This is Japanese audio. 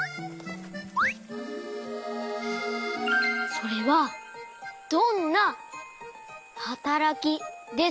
それはどんなはたらきですか？